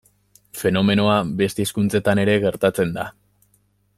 Fenomenoa beste hizkuntzetan ere gertatzen da.